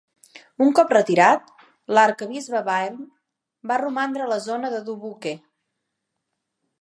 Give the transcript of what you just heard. Un cop retirat, l'arquebisbe Byrne va romandre a la zona de Dubuque.